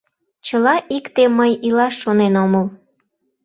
Чыла икте мый илаш шонен омыл.